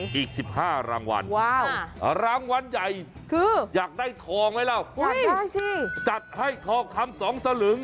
กี่สิบห้ารางวัลรางวัลใหญ่อยากได้ทองไหมนะจัดให้ทองครั้งสองสลึง